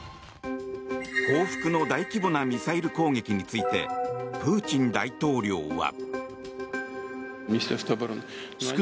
報復の大規模なミサイル攻撃についてプーチン大統領は。